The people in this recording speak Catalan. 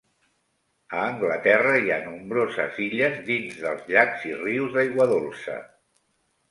A Anglaterra hi ha nombroses illes dins dels llacs i rius d'aigua dolça.